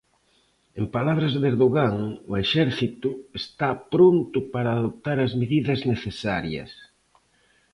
En palabras de Erdogan, o exército está pronto para adoptar as medidas necesarias.